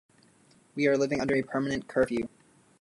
We are living under a permanent curfew.